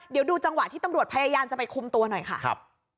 เดี๋ยวดูจังหวะที่ตำรวจพยายามจะไปคุมตัวหน่อยค่ะครับ